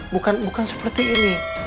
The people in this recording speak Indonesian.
bukan seperti ini